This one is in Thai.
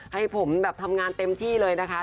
ให้ผมแบบทำงานเต็มที่เลยนะคะ